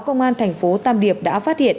công an thành phố tam điệp đã phát hiện